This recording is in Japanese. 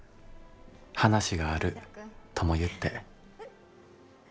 話があるとも言って」。